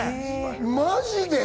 マジで？